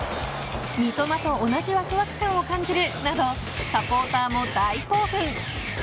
三笘と同じｗｋｗｋ感を感じるなどサポーターも大興奮。